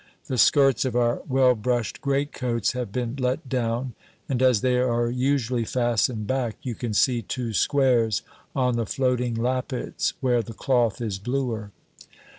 The skirts of our well brushed greatcoats have been let down, and as they are usually fastened back, you can see two squares on the floating lappets where the cloth is bluer.